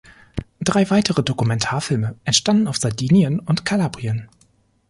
Drei weitere Dokumentarfilme entstanden auf Sardinien und in Kalabrien.